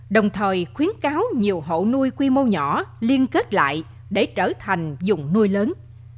đồng thời khuyến cáo nhiều hộ nuôi quy mô nhỏ liên kết lại để trở thành dùng nuôi lớn